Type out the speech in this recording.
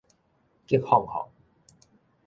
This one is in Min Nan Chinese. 激放放